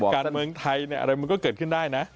การเมืองไทยอะไรมันก็เกิดขึ้นได้นะ